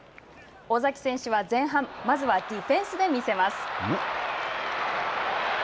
尾崎選手は前半、まずはディフェンスで見せます。